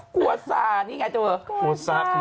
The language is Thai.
กลัวซ่านี่ไงตัว